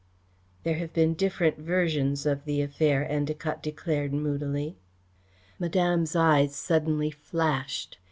"There have been different versions of the affair," Endacott declared moodily. Madame's eyes suddenly flashed.